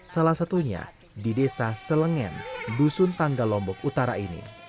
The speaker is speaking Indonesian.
salah satunya di desa selengen dusun tanggalombok utara ini